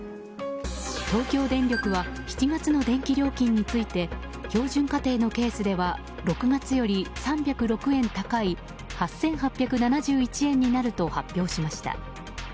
東京電力は７月の電気料金について標準家庭のケースでは６月より３０６円高い８８７１円になると発表しました。